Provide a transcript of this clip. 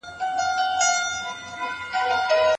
خصوصي سکتور به د بیو په ټیټوالي کي مرسته وکړي.